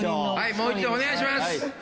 もう一度お願いします！